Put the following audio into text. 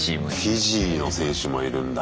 フィジーの選手もいるんだ。